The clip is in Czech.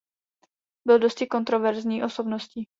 Byl dosti kontroverzní osobností.